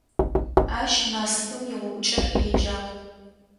Ащ «Насыпым игъогукӏэ» еджагъ.